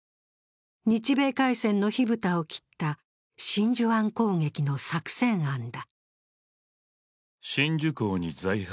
日米開戦の火蓋を切った真珠湾攻撃の作戦案だ。